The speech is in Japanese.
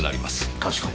確かに。